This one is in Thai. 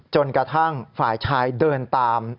จนกระทั่งฝ่ายชายเดินตาม